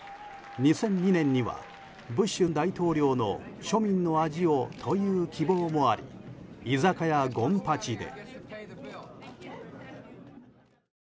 ２００２年にはブッシュ大統領の「庶民の味を」という希望もあり居酒屋、権八で。